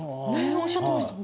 おっしゃってましたね。